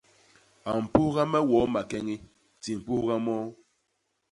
A mpugha me woo makeñi; di mpugha moo.